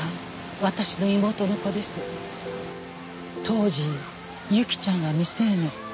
当時侑希ちゃんは未成年。